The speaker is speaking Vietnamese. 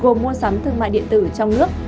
gồm mua sắm thương mại điện tử trong nước